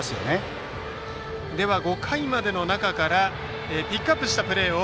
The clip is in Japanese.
では、５回までの中からピックアップしたプレーを